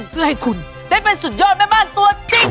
เพื่อให้คุณได้เป็นสุดยอดแม่บ้านตัวจริง